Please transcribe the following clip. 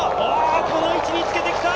この位置につけてきた！